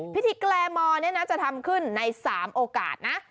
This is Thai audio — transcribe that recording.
แกลมอเนี่ยนะจะทำขึ้นใน๓โอกาสนะ